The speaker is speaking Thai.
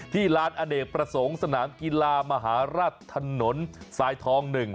ลานอเนกประสงค์สนามกีฬามหารัฐถนนสายทอง๑